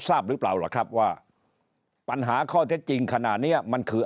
ทราบหรือเปล่าล่ะครับว่าปัญหาข้อเท็จจริงขนาดนี้มันคือ